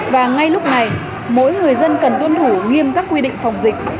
và ngay lúc này mỗi người dân cần tuân thủ nghiêm các quy định phòng dịch